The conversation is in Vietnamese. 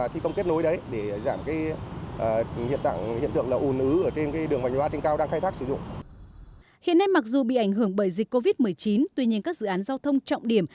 hiện nay mặc dù bị ảnh hưởng bởi dịch covid một mươi chín tuy nhiên các dự án giao thông trọng điểm